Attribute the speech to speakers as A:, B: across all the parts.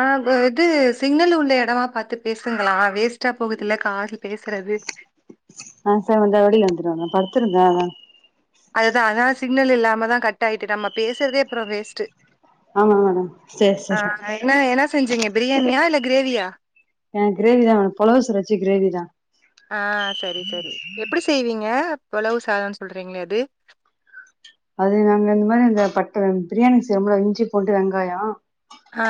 A: ஆ இது சிக்னல் உள்ள எடமா பாத்து பேசுங்களா வேஸ்ட்டா போகுதுல கால் பேசுறது
B: ஆ சார் கொஞ்சோ வெளிய வந்துடுவோ நா படுத்திருந்த அதா
A: அதுதா அதா சிக்னல் இல்லாமதா கட்டாயிட்டு நம்ம பேசுறதே அப்புறோ வேஸ்ட்டு
B: ஆமா மேடம் சேர்
A: ஆ
B: சேரி
A: என்ன என்ன செஞ்சீங்க பிரியாணியா இல்ல கிரேவியா
B: ஏ கிரேவிதா பொளவுசு வெச்சு கிரேவிதா
A: ஆ செரி செரி எப்புடி செய்வீங்க பொளவு சாதம்னு சொல்றீங்களே அது
B: அது நாங்க இந்த மாரி இந்த பட்ட பிரியாணி செய்வோம்ல இஞ்சி பூண்டு வெங்காயோ
A: ஆ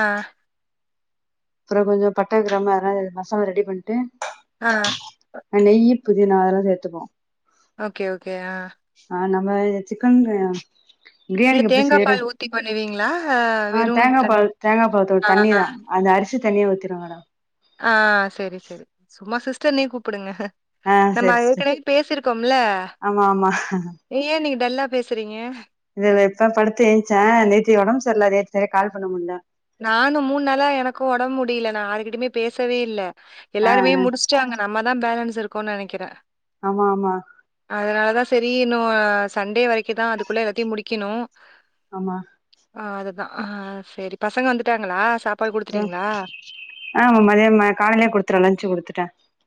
B: அப்புறோ கொஞ்சோ பட்ட கிராமு அதலா மசாலா ரெடி பண்ட்டு
A: ஆ
B: நெய்யி புதினா அதுல்லா சேத்துப்போ
A: ஓகே ஓகே ஆ
B: ஆ நம்ம சிக்கன்
A: இல்ல
B: பிரியாணிக்கு எப்டி
A: தேங்கா
B: செய்ர
A: பால் ஊத்தி பண்ணுவீங்களா
B: ஆ
A: வெறு
B: தேங்கா
A: தண்ணி
B: பால் தேங்கா பால்த்த
A: ஆ
B: தண்ணிதா அந்த அரிசி தண்ணி ஊத்திருங்க மேடம்
A: ஆ செரி செரி சும்மா சிஸ்டர்னே கூப்புடுங்க
B: ஆ
A: நம்ம
B: சேரி சிஸ்டர்
A: ஏற்கனவே பேசிருக்கோம்ல
B: ஆமா ஆமா
A: ஏ நீங்க டல்லா பேசுறீங்க
B: இதுல இப்ப படுத்து ஏன்ச்ச நேத்தி ஒடம்பு சரில்ல சரிய கால் பண்ண முடில
A: நானு மூண் நாளா எனக்கு ஒடம்பு முடியல நா ஆராகிட்டயுமே பேசவே இல்ல
B: ஆ
A: எல்லாருமே
B: ஆ
A: முடிச்சுட்டாங்க நம்ம தா பேலன்ஸ் இருக்கோனு நெனைக்கிற
B: ஆமா ஆமா
A: அதனாலதா சரி இன்னு சண்டே வரைக்கு தா அதுக்குள்ள எல்லாத்தையு முடிக்கணு
B: ஆமா
A: ஆ அதுதா ஆ சரி பசங்க வந்துட்டாங்களா சாப்
B: த ஆமா மதியமே காலைலே குடுத்துவ லன்ச்சு குடுத்துட்ட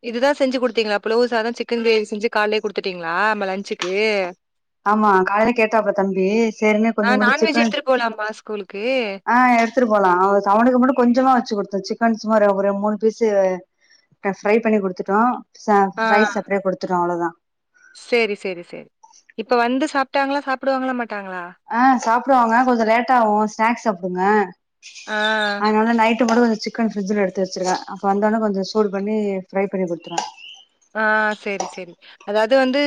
A: இதுதா செஞ்சு கொடுத்தீங்களா புலவு சாதோ சிக்கன் கிரேவி செஞ்சு கால்லே குடுத்துட்டிங்களா நம்ம லஞ்சிக்கு
B: ஆமா காலையில கேட்டாப்ல்ல தம்பி சேரின்னு கொஞ்ச முட்டு சிக்கன்
A: போலாம்மா ஸ்கூலுக்கு
B: ஆ எடுத்துட்டு போலா அவனுக்கு மட்டு கொஞ்சமா வச்சு குடுத்தோ சிக்கன் சும்மா ஒரு மூணு பீஸ்சு ஃப்ரை பண்ணி குடுத்துட்டோ
A: ஆ
B: ரைஸ் அப்டே குடுத்துட்டோ அவ்ளோதா
A: சரி சரி சரி இப்ப வந்து சாப்ட்டாங்களா சாப்புடுவாங்களா மாட்டாங்களா
B: ஆ சாப்டுவாங்க கொஞ்ச லேட் ஆவு ஸ்நாக்ஸ் சாப்டுங்க
A: ஆ
B: அதனால நைட்டு மட்டு கொஞ் சிக் கன் ஃரிட்ஜில்ல எடுத்துச்சுவச்சுருக்க அப்போ வந்தோனே கொஞ்ச சுடுபண்ணி ப்ரை பண்ணி குடுத்துருவ
A: ஆ சேரி சேரி அதாவது வந்து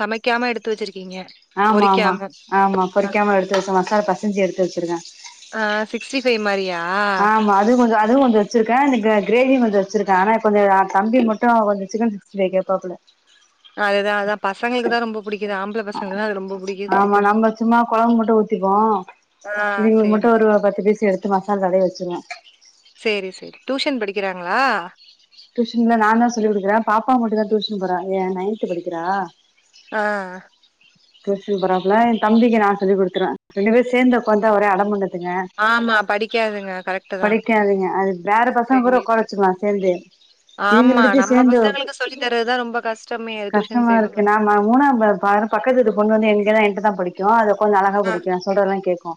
A: சமைக்காம எடுத் து வச்சிருக்கிங்க
B: ஆமா ஆமா ஆமா பொறிக்காம எடுத்து வச்சன் மசாலா பெசஞ்சு எடுத்து வச்சிருக்க
A: ஆ சிக்ஸ்டி ஃபை் மாரியா
B: ஆமா அது கொஞ்சோ அது கொஞ்ச வச்சிருக்க இந்த கிரேவியு கொஞ்ச வச்சிருக்க ஆனா கொஞ்ச தம்பி மட்டு கொஞ்ச சிக்கன் சிக்ஸிடிஃபை கேப்பாப்ல்ல [inaudible]
A: அதேதா அதா பசங்களுக்கு தா ரொம்ப புடிக்குது ஆம்பள பசங்க அது ரொம்ப புடிக்குது
B: ஆ நம்ம சும்மா கொழும்பு மட்டு ஊத் ஊத்திக்குவோ
A: ஆ
B: இதுங்களுக்கு
A: சரி,
B: மட்டுபத்துஒரு பத்து பீஸ் எடுத்து மசால் தடவி வச்சுருவ
A: சேரி சேரி டியூஷன் படிக்கிறாங்களா
B: டியூஷன்ல நாதா சொல்லி குடுக்குற பாப்பா மட்டு தா டியூஷன் போறா ஏ நைன்த்து படிக்கிறா
A: ஆ
B: டியூஷன் போறாப்ல எ தம்பிக்கு நா சொல்லி குடுத்துருவ ரெண்டு பேர் சேந்து உக்காந்தா ஒரே அடம் பண்ணுதுங்க
A: ஆமா படிக்காதுங்க கரெக்ட்டு தான்.
B: படிக்காதுங்க அது வேற பசங்க
A: சரி,
B: கூட
A: சரி.
B: உக்காரச்சுக்லா சேந்து இதுங்க
A: ஆமா
B: ரெண்டுத்தையு
A: நம்ம
B: சேந்து
A: பசங்களுக்கு சொல்லி தரதுதா ரொம்ப கஷ்டமே அது டியூஷன் சேர்க்கன்னுன்
B: மூணாவது பாரு பக்கத்து வீட்டு பொண்ணுவந்து எங்கிட்டதா என்ட்ட தா படிக்கு அது கொஞ்ச அழக படிக்கு சொல்றதுலா கேட்கு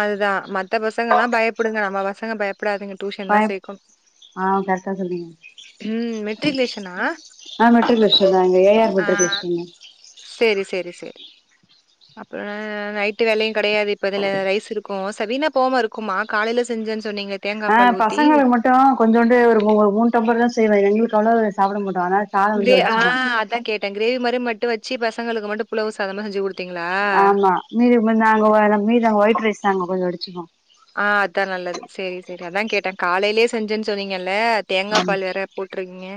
A: அதுதா மத்த பசங்கனா பயப்படுங்க நம்ம பசங்க பயப்படாதுங்க டியூஷன் எல்லா
B: பயப்
A: சேக்கணு
B: ஆ கரக்டா சொல்லீங்
A: மெட்ரிகுலேஷனா?
B: ஆ மெட்ரிகுலேஷன்த ஏ ஆர் மெட்ரிகுலேஷன்
A: சேரி சேரி சேரி அப்றோ நைட் வீட்டு வேலையு கெடையாது இப்பதுல ரைஸ் இருக்கு சபீனா போமா இருக்குமா காலையில செஞ்சன்னு சொன்னீங்களா தேங்காபால் ஊத்தி
B: டோ கொஞ்சோண்டு ஒரு மூணு டம்பர் தா செய்வ எங்களுக்கு அவ்ளவா சாப்ட மாட்டோ ஆனா
A: ஆ அதா கேட்ட கிரேவி மாரி மட்டு வச்சு பசங்களுக்கு மட்டு புலவு சாதமா செஞ்சு குடுத்
B: ஆமா மீது நாங்க மீதம் பேர் ஒயிட் ரைஸ் நாங்க கொஞ்சோ வடிச்சுக்கோ
A: ஆ அதா நல்லது சேரி சேரி அதா கேட்டே காலையிலயே செஞ்சேன்னு சொன்னிங்களா தேங்காய்
B: ஆமா
A: பால் வேற போட்டிருக்கீங்க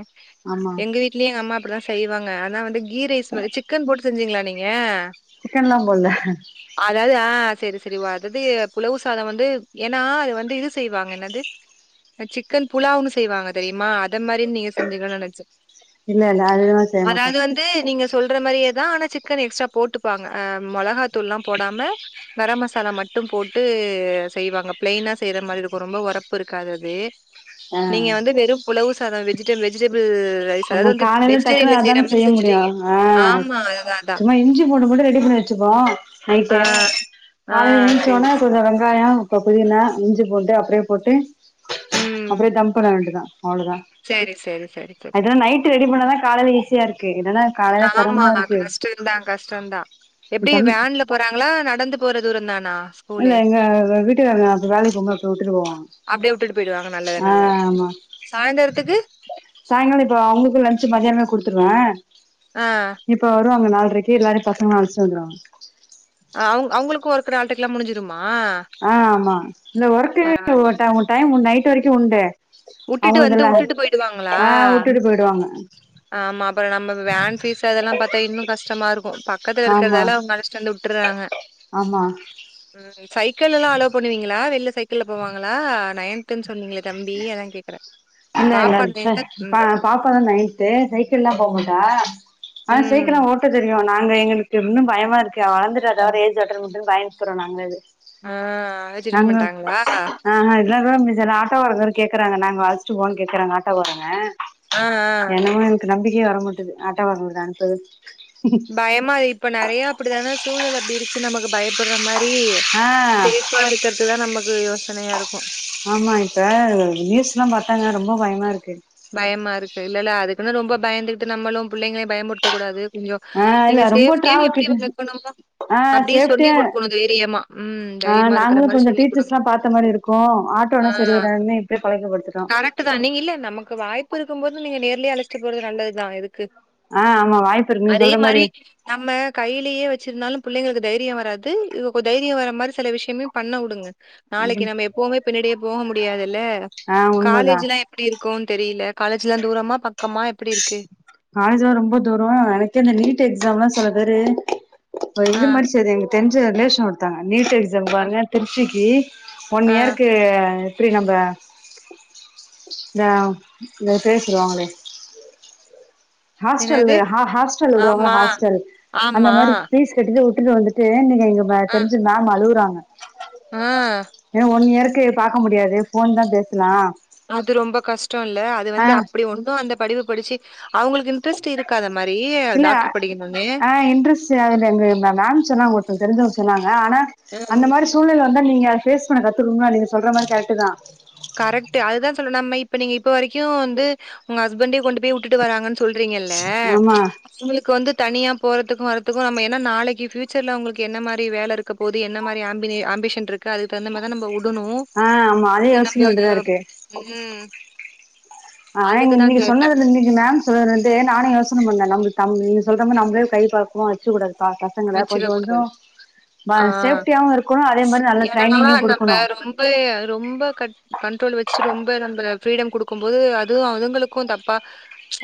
B: ஆமா
A: எங்க வீட்லயு எங்க அம்மா அப்டிதா செய்வாங்க அதா வந்து கீ ரைஸ் மாரி சிக்கன் போட்டு செஞ்சீங்களா நீங்க
B: சிக்கன் எல்லா போடல
A: அதாவது ஆ சேரி சேரி வா அதாவது புலவு சாதம் வந் து எனா அது வந்து இது செய்வாங்க என்னாது சிக்கன் புலாவ்னு செய்வாங்க தெரியுமா அது மாதிரி நீங்க செஞ்சுங்ளேனு நினைச்சே
B: இல்ல இல்ல அதுலா செய்ய மாட்டோ
A: அதாவது வந் து நீங்க சொல்ற மாதிரியேதா ஆனா சிக்கன் எக்ஸ்ட்ரா போட்டுப்பாங்க ஆ மெளகாத்தூள் எல்லா போடாம கரம் மசாலா மட்டும் போட்டு செய்வாங்க பிளைன்னா செய்யிற மாரி இருக்கு ரொம்ப ஒரப்பு இருக்காது அது
B: ஆ
A: நீங்க வந்து வெறும் புழவு சாதம் வெஜிட வெஜிடபிள் ரைஸ்
B: நம்ம
A: அதாவது வந்து
B: காலையில டக்குன்னு
A: வெஜிடேரியன்ல செய்ற
B: அதானே
A: மாரி
B: செய்ய முடியு
A: செஞ்சுட்டீங்க.
B: ஆ
A: ஆமா. அதான் அதான்.
B: சும்மா இஞ்சி பூண்டு மட்டு ரெடி பண்ணி வச் சிப்போ
A: ஆ,
B: நைட்டு
A: ஆ
B: காலைய
A: சரி.
B: எந்தச்சோனா கொஞ்சோ வெங்காயோ இப்ப புதினா இஞ்சி போட்டு அப்டியே போட்டு அப்டியே தம் பண்ண வேண்டியது தா அவ்ளதா
A: சேரி சேரி சேரி தோ
B: நைட் ரெடி பண்ணாதா காலைல ஈஸியா இருக்கு என்னனா
A: ஆமா கஷ்டோதா கஷ்டோதா
B: எ
A: எப்டி
B: தம்
A: வேன்ல போறாங்களா நடந்து போற தூரம்தானா
B: இல்ல எங்க எ வீட்டுக்காரருங்க அப்ப வேலைக்கு போம்போது அப்டியே விட்டு போவாங்க
A: அப்டியே விட்டுட்டு போயிடுவாங்க நல்லது
B: ஆ
A: நல்லது சாயந்தரத்துக்கு
B: சாயங்காலம் இப்ப அவங்களுக்கு லஞ்சு மதியானமே கொடுத்துருவே
A: ஆ
B: இப்ப வருவாங்க நால்ரைக்கு எல்லாரு பசங்கள அழச்சுடு வந்துருவாங்க
A: ஆ அவுங் அவங்களுக்கு ஓர்க் நால்ரைக்கெல்லா முடிஞ்சு ருமா
B: ஆ ஆமா இல்ல ஒர்க்க இருக்கு டைம் நைட் வரைக்கு உண்டு
A: வுட்டுட்டு வந்து
B: அவங்களுதெல்லா
A: வுட்டுட்டு போயிடுவாங்களா
B: ஆ வுட்டுட்டு போயிடுவாங்க
A: ஆமா அப்றம் நம்ம வேன் பீஸ் அதெல்லா பாத்தா இன்னு கஷ் டமா இருக்கு பக்கத்துல
B: ஆமா
A: இருக்கிறதால அவங்க அழச்சிட்டு வந்து விட்டுறாங்க
B: ஆமா
A: ம் சைக்கிள் எல்லா அலோ பண்ணுவீங்களா வெளில சைக்கிள்ல போவாங்களா நயன் துன்னு சொன்னீங்களே தம்பி அதா கேக்குறே
B: இல்ல இல்ல
A: பாப்பா நைன்த்தா
B: ப்பா
A: ம்.
B: பாப்பாதா நைன்து சைக்கிள் எல்லா போ மாட்டா ஆனா சைக்கிள
A: ம்.
B: ஓட் ட தெரியு நாங்க எங்களுக்கு இன்னு பயமா இருக்கு அவ வளர்ந்துட்டா
A: ம்.
B: அதாவது ஏஜ் அட்டன் பண்ணிடு பயக்கறோ நாங்களே அது
A: ஆ ஏஜ் அட்டர்ன் பண்ணட்டாங்களா
B: ஆ ஆ இதுல்லா [unintelligible] ச ஆட்டோரங்க கேக்குறாங்க நாங்க அழைச்சிட்டு போகோனு கேக்குறாங்க ஆட்டோரங்க
A: ஆ ஆ.
B: என்னா எனக்கு நம்பிக்கையே வர மாட்டது ஆட்டோகரவங்க கூட அனுப்பவே
A: பயமா இப்ப நெறைய அப்டித்தானே சூழ்நல்ல அப்டி இருக்கு நமக்கு பயப்படுற மாரி
B: ஆ
A: சே ப்பா இருக்கிறது தா நமக்கு யேசனையா இருக்கு
B: ஆமா இப்ப நியூஸ் எல்லா பாத்தாங்க ரொம்ப பயமா இருக்கு
A: பயமா இருக்கு இல்ல இல்ல அதுக்குன்னு ரொம்ப பயந்துக்கிட்டு நம்மளு புள்ளைங்களையு பயமுடுத்தக் கூடாது ஐயோ
B: ஆ இல்ல
A: நீங்க
B: ரொம்ப
A: சேஃப்டியு எப்டி
B: டிராவல்
A: வளர்க்கணுமோ
B: ஆ
A: அப்டியே சொல்லி
B: சேஃப்டியா
A: கொடுக்கணு தைரியமா ம் தைரியமா இருக்கிற மாரி சொல்லி கொடுங்க
B: க்கு ஆட்டோல்லா சரிவராதுனு இப்பயே பழக்கப்படுத்திடோ
A: கரெக்டு தா நீங்க இல்ல நமக்கு வாய்ப்பு இருக்கு போது நீங்க நேர்லயே அழைச்சிட்டு போறது நல்லதுதா இதுக்கு
B: ஆ ஆமா வாய்ப்பு இருக்கு நீங்க
A: அதே
B: சொல்ற
A: மாரி நம்ம கையிலேயே வச்சிருந்தாலும் பிள்ளைங்களுக்கு தைரியோ வராது இவ தைரியோ வர மாதிரி சில விஷயங்கள்மே பண்ண விடுங்க நாளைக்கு நம்ம எப்பவுமே பின்னாடியே போக முடியாதுல்ல
B: ஆ உண்மதா
A: காலேஜ்லாம் எப்டி இருக்கும் தெரியல காலேஜ் எல்லாம் தூரமா பக்கமா எப்டி இருக்கு
B: காலேஜ்லாம் ரொம்ப தூரோம் எனக்கே அந்த நீட் எக்ஸாம் எல்லாம் சில பேரு
A: ஆ
B: இது மாதிரி சே எங் தென்ன் ரிலேஷன் ஒருத்தங்க நீட் எக்ஸ் பாருங்க திருச்சிக்கு ஒன்
A: ஆ
B: இயருக்கு எப்டி நம்ம அ இந்தா பேசுவாங்ளே ஹாஸ்டல்ல
A: என்னது?
B: ஹாஸ்டல் விடுவாங்கள
A: ஆமா,
B: ஹாஸ்டல் அந்த
A: ஆமா.
B: மாதிரி பீஸ் கிட்ட விட்டுட்டு வந்துட்டு நீங்க எங்க தெரிஞ்ச மேம் அழுவுறாங்க
A: அ
B: ஏ ஒன் இயருக்கு பாக்க முடியாது ஃபோன் தா பேசலா
A: அது ரொம்ப கஷ்டோல்ல அது
B: ஆ
A: வந்து அப்டி ஒன்னும் அந்த படிவு படிச்சு அவுங்களுக்கு இன்ட்ரெஸ்ட் இருக்கா அந்த மாரி பி ஏ டாக்டர் படிக்கணும்னு [unintelligible] ல்லி
B: அ இன்டரஸியாங்க மேம் சொன்னாங்க ஒருத்தங்க தெரிஞ்சவங்க சொன்னாங்க ஆனா
A: ம்.
B: அந்த மாரி சூழல் வந்தா நீங்க ஃபேஸ் பண்ண கத்துக்கணும் நீங்க சொல்ற மாதிரி கரக்ட் தா
A: கரக்ட் அதுதா சொல்ல நம்ம இப்ப நீங்க இப்ப வரைக்கும் வந்து உங்க ஹஸ்பண்டே கொண்டு போய் வுட் வட்டுட்டு வராங்கனு சொல்றீங்கல்ல
B: ஆமா
A: இவுங்களுக்கு வந்து தனியா போறதுக்கு வரதுக்கு நம்ம என்னா நாளக்கி ப்யூச்சர்ல உங்களுக்கு என்ன மாரி வேல இருக் க போது என்ன மாரி அம்பிஷன் இருக்கு அதுக்தகுந்த மாரிதா நம்ம உடணு
B: ஆ ஆமா அதேயு யோசிக்க வேண்டியதா இருக்கு
A: உம்
B: ஆனா இன்னக்கி சொன்னதுல இருந்து இன்னக்கி மேம் சொல்றத வந்து நானு யோசன பண்ணே நம்ம நீங்க சொல்ற மாரி நம்மளே கை பழக்கமா வச்சுக்க கூடாது பாப்போம் நம்பளா
A: வச்சுக்க
B: கொண்டு வந்தோ
A: கூடாது.
B: பாய்
A: ஆ.
B: சேஃப்டியாவும் இருக்கணும் அதே மாதிரி நல்ல ட்ரைனிங்கும் குடுக்கணும்
A: இப்பயே ரொம்ப கட் கண்ட்ரோல் வச்சு ரொம்ப நம்மல ஃப்ரீடம் குடுக்கு போது அதுவும் அதுங்களுக்கு தப்பா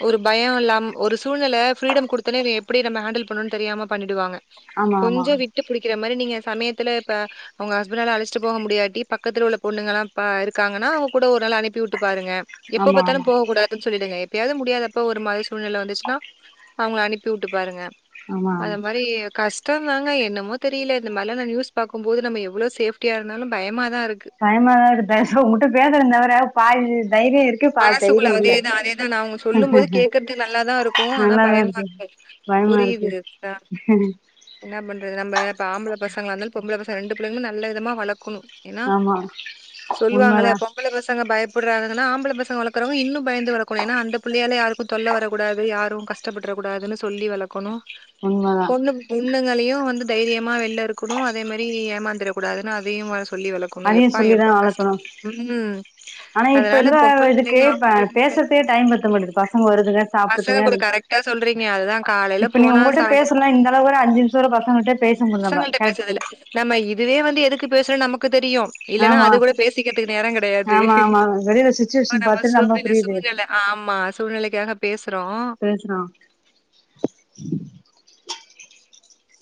A: ஒரு பயம் இல்லாம ஒரு சூழ்நில ஃப்ரீடம் குடுத்தனே அது எப்டி நம்ம ஹேண்டில் பண்ணும்னு தெரியாம பன்னிடுவாங்க
B: ஆமா ஆமா
A: கொஞ்சோ விட்டு புடிக்கிற மாரி நீங்க சமயத்துல இப்ப உங்க ஹஸ்பண்டால அழச்சிட்டு போக முடியாட்டி பக்கத்துல உள்ள பொண்ணுங்கல்லா பா இருக்காங்கன்னா அவுங்க கூட ஒரு நாள் அனுப்பி விட்டு பாருங்க எப்ப
B: ஆமா ஆமா
A: பாத்தாலும் போக கூடாதுன்னு சொல்லிடுங்க எப்பயாவது முடியாதப்ப ஒரு மாரி சூழ்நெல வந்துச்சுன்னா அவுங்கள அனுப்பி விட்டு பாருங்க
B: ஆமா ஆமா
A: அத மாரி கஷ்டோதாங்க என்னமோ தெரியல இந்த மாரிலா நா நியூஸ் பாக்கபோது நம்ம எவ்ளோ சேஃப்டியா இருந்தாலு பயமா தா இருக்கு
B: பயமா தா இருக்கு பேச உங்கிட்ட பேசுரேந்தவர பாதி தைரியம் இருக்கா
A: மனசுக்குள்ள அதேதா அதேதா நா அவுங்க சொல்லு போது கேக்குறதுக்கு நல்லாதா இருக்கு ஆனா பயமா இருக்கு
B: பயமா இருக்கு
A: புரியுது சா என்ன பண்றது நம்ம இப்ப ஆம்பள பசங்களா இருந்தாலு பொம்பள பசங்க ரெண்டு பிள்ளங்களயும் நல்ல விதமா வளக்கணு ஏன்னா
B: ஆமா
A: சொல்லுவாங்கள
B: உண்மதா
A: பொம்பள பசங்க பயப்படுறாங்கன்னா ஆம்பள பசங்க வளக்கறவங்க இன்னு பயந்து வளக்கணு ஏன்னா அந்த பிள்ளயால யாருக்கு தொல்ல வர கூடாது யாரும் கஷ்டபட்றகூடாதுன்னு சொல்லி வளக்கணு
B: உண்மதா
A: ஒன்னு உண்ணங்களயு வந்து தைரியமா வெள்ல இருக்கணு அதே மாரி ஏமாந்திரக்க கூடாதுன்னா அதையு சொல்லி வளக்கணு
B: அதையு
A: எப்பா
B: சொல்லிதா
A: எவ்ளோ கஷ்டோ
B: வளக்கணு
A: உம்
B: ஆனா இப்ப
A: அதனால
B: எல்லா
A: பொம்பல
B: இதுக்கு இப்ப பேசுறதுக்கே
A: [unintelligible]
B: டைம் பத்த மாட்டேது பசங்க வருதுங்க
A: பசங்க
B: சாப்டுதுங்க
A: கூட கரெக்டா சொல்றீங்க அதுதா காலயில
B: இப்ப நீ உங்கள்ட்ட பேசலன்னா இந்த அளவுக்கு அஞ்சு நிமிஷோ பசங்கள்ட்ட பேச முடிலபா
A: மேம் நா இதுவே வந்து எதுக்கு பேசுறோ நமக் இப்ப தெரியூ இல்லைனா
B: ஆமா
A: அது கூட பேசிக்கிறதுக் நேரோ கெடையாது
B: ஆமா ஆமா வெளியில
A: இப்ப
B: சிச்சுவேஷன் பாத்துட்டு நம்ம
A: சூழ்நிலை
B: புரியுது
A: சூழ்நிலை ஆமா சூழ்நிலைக்காக பேசுறோ
B: பேசுனா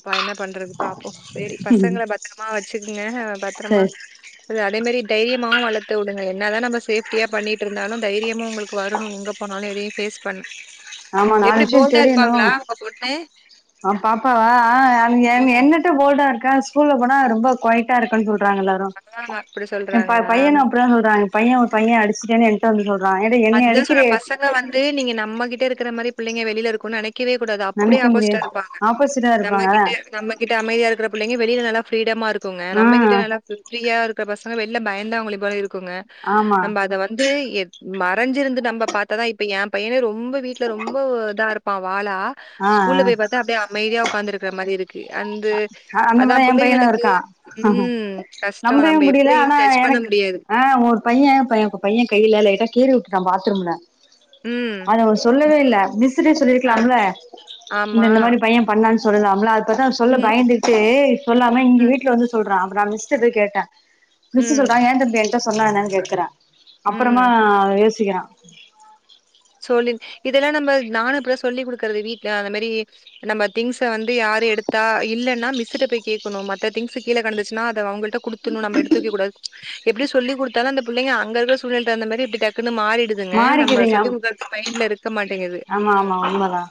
A: பா என்ன பண்றது பாப்போ சேரி பசங்ள பத்ரமா வச்சிக்குங்க நா பத்ரமா
B: சரி
A: ர அதே மாரி தைரியமாவு வளத்துவுடுங்க என்னாதா நம்ம சேஃப்டியா பண்ணிட்ருந்தாலு தைரியமு உங்களுக்கு வரணு எங்கப் போனாலு எதையு பேஸ் பண்ணு
B: ஆமா நாலு விஷயோ தெரியணு ஆ பாப்பாவா அன் என்
A: ம்.
B: என்ன ட்ட போல்டா இருக்கா ஸ்கூல்ல போனா ரொம்ப கொயட்டா இருக்கன் சொல்றாங்க எல்லாரு தா
A: ஆ அப்டி
B: ஏ ப
A: சொல்றாங்களா?
B: பையன அப்டிதா சொல்றாங்க பைய ஒரு பைய அடிச்ட்டேன் என்ட வந்து சொல்றா ஏடா ஏ
A: அதுதா சொன்ன பசங்க வந்து நீங்க நம்மகிட்ட இருக்ற மாரி பிள்ளைங்க வெளில இருக்குன் நெனைக் கவே கூடாது அப்டியே
B: நெனைக்க
A: ஆப்போசிட்டா
B: முடியாது
A: இருப்பாங்க
B: ஆப்போசிட்டா இருப்பாங்க
A: நம்மகிட்ட நம்மகிட்ட அமைதியா இருக்ற பிள்ளைங்க வெளில நல்லா ஃப்ரீடமா இருக்குங்க
B: ஆ
A: நம்ம கிட்ட நல்லா ஃபிஃப் ஃப்ரீயா இருக்ற பசங்க வெளில பயந்தாங்குழி போல இருக்குங்க
B: ஆமா
A: நம்ம அத வந்து எ மறஞ்சிருந்து நம்ம பாத்தாதா இப்ப ஏ பையனே ரொம்ப வீட்ல ரொம்ப இதா இருப்பா வாலா
B: ஆ
A: ஸ்கூல்ல போய் பாத்தா அப்டியே அமைதியா உங்காந்துருக்ற மாரி இருக் அந்து
B: ஆ அந்த
A: அதா
B: மாரிதா எ பையனு
A: புள்ளங்களுக்கு
B: இருக்கா
A: உம் கஷ்டோ
B: நம்பவே
A: நம்ம
B: முடியல
A: எப்டி
B: ஆனா
A: சஜ் பண்ணம்
B: எனக்கு ஆ ஒரு பைய பை அப் பைய கையில லைட்டா கீறிவுட்டுட்டா பாத்ரூம்ல
A: ம்.
B: அத அவரு
A: ம்.
B: சொல்லவே இல்ல மிஸ்ஸுட்டயே
A: ஆ.
B: சொல்லிருக்கலாம்ல இந்த
A: ஆமா.
B: இந்த மாரி பைய பண்ணான் சொல்லலாம்ல அத பாத்தா சொல்ல
A: ம்,
B: பயந்துட்டு சொல்லாம இங்க
A: ம்,
B: வீட்ல வந்து சொல்றா அப்றோ மிஸ்ட்ட போய் கேட்டே மிஸ்ஸு
A: ம்,
B: சொல்றா ஏ தம்பி ஏன்ட்ட சொன்னா என்னன் கேக்குறா அப்பறமா
A: ம்.
B: யோசிக்கிறா
A: சோழி இதெல்லா நம்ம நானு இப்பலா சொல்லி குடுக்கறது வீட்ல அந்த மாரி நம்ம திங்ஸ வந்து யாரு எடுத்தா இல்லன்னா மிஸ்ஸுட்ட போய் கேக்கணு மத்த திங்ஸு கீழ கெடந்துச்சுனா அத அவங்கள்ட குடுத் துனு நம்ம எடுத்து வைக்க கூடாது எப்டி சொல்லி குடுத்தாலு அந்த புள்ளைங்க அங்க இருக்க சூழ்நிலைக் தகுந்தமாரி இப்டி டக் குனு மாறிடுதுங்க நம்ம
B: மாறிக்குதுங்க
A: சொல்லிகுடுக்கற்து மைண்ட்ல இருக்க மாட்டேங்குது ம்
B: ஆ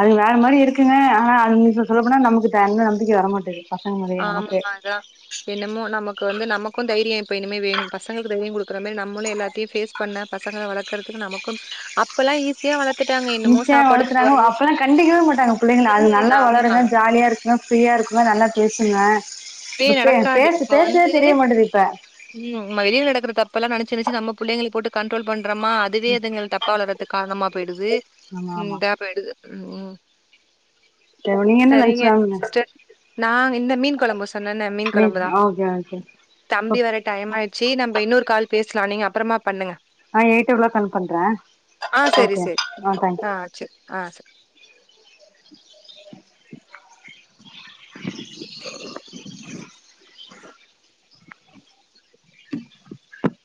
B: அது வேற மாரி இருக்குங்க ஆனா அது நீ சொ சொல்ல போனா நமக்குதா இன்னு நம்பிக்க வரமாட்டேங்கிது பசங்களே
A: ஆமா
B: நமக்கு
A: அதான். என்னமோ நமக்கு வந்து நமக்கு தைரியோ இப்ப இனிமே வேணு பசங்களுக்கு தைரியோ குடுக்குறமே நம்மளு எல்லாத்தையு ஃபேஸ் பண்ண பசங்கள வளக்கறதுக்கு நமக்கு அப்பலா ஈஸியா வளக்
B: நிச்சயோ வளத்துறாங்க அப்பலா கண்டிக்கவே மாட்டாங்க புள்ளைங்கள அது
A: ம்.
B: நல்லா வளருங்க
A: ஆமா.
B: ஜாலியா இருக்குங்க ஃப்ரீயாக இருக்குங்க நல்லா பேசுங்க
A: இப்பயே
B: இப்பயு
A: நடக்காது
B: பேசு
A: இப்ப
B: பேசதே
A: வந்து
B: தெரிய மாட்டேது இப்ப
A: ம் ம வெளில நடக்குற தப்பெல்லா நெனச்சி நெனச்சி நம்ம புள்ளைங்கள போட்டு கண்ட்ரோல் பண்றோமா அத் துவே அதுங்கள் தப்பா வளரறதுக் காரணமா போயிடுது
B: ஆமா
A: ம்
B: ஆமா
A: இதா போயிடுது ம் உ
B: சரி நீங்க என்ன லன்ச்
A: சரிங்க
B: வாங்குங்க
A: சிஸ்டர் நாங் இந்த மீன் கொழம்பு சொன்னல மீன் கொ
B: ம் ஓகே ஓகே
A: தம்பி
B: ஓகே
A: வர டைம் ஆயிட்ச்சி நம்ப இன்னொரு கால் பேசலா நீங்க அப்பறமா பண்ணுங்க
B: ஆ எயிட் ஓ கிளாக் கால் பண்றே
A: ஆ சரி
B: ஓகே
A: சரி
B: ஆ தேங்க்ஸ்
A: ஆ ச